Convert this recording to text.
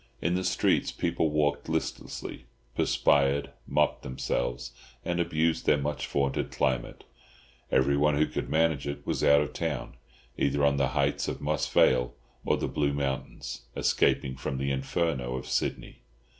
In the streets people walked listlessly, perspired, mopped themselves, and abused their much vaunted climate. Everyone who could manage it was out of town, either on the heights of Moss Vale or the Blue Mountains, escaping from the Inferno of Sydney.